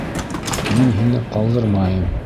Мин һине ҡалдырмайым.